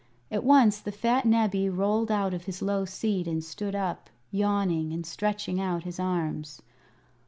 At once the fat Nebbie rolled out of his low seat and stood up, yawning and stretching out his arms.